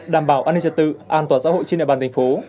đảm bảo an ninh trật tự an toàn xã hội trên đại bàn tp